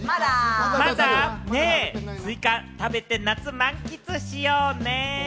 スイカ食べて夏を満喫しようね。